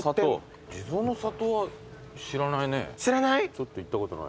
ちょっと行ったことない。